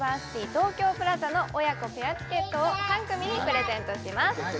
東京プラザの親子ペアチケットを３組にプレゼントします